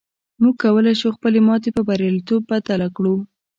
موږ کولی شو خپله ماتې پر برياليتوب بدله کړو.